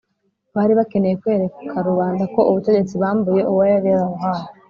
bari bakeneye kwereka rubanda ko ubutegetsi bambuye uwo yari yarabuhaye,